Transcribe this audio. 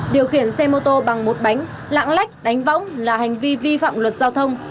điều khiển xe mô tô bằng một bánh lạng lách đánh võng là hành vi vi phạm luật giao thông